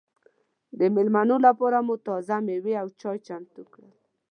د مېلمنو لپاره مو تازه مېوې او چای چمتو کړل.